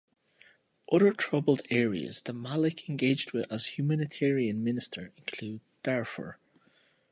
Other troubled areas that Malik engaged with as Humanitarian Minister included Darfur.